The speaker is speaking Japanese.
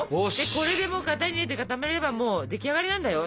これでもう型に入れて固めればもう出来上がりなんだよ。